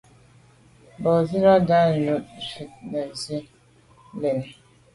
Mbàzīlā rə̌ tà' jú zə̄ fít nə̀ zí'’ə́ lɛ̂n.